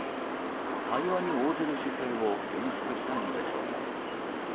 対話に応じる姿勢を演出したいのでしょうか。